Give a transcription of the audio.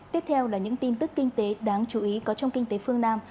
tiếp theo là những tin tức kinh tế đáng chú ý có trong kinh tế phương nam